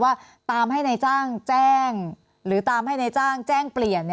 ว่าตามให้นายจ้างแจ้งหรือตามให้นายจ้างแจ้งเปลี่ยน